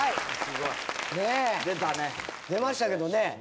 裕二：出ましたけどね。